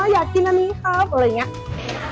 อยากกินอันนี้ครับอะไรอย่างนี้